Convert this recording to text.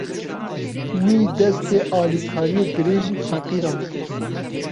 Wî, destê alîkariyê dirêjî feqîran kir.